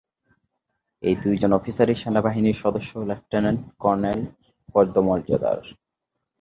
এ দুজন অফিসারই সেনাবাহিনীর সদস্য ও লেফটেন্যান্ট কর্নেল পদমর্যাদার।